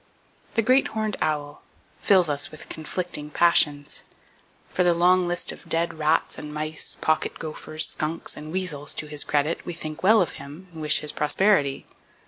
The Great Horned Owl fills us with conflicting passions. For the long list of dead rats and mice, pocket gophers, skunks, and weasels to his credit, we think well of him, and wish his prosperity.